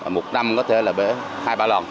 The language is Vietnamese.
một năm có thể là bể hai ba lần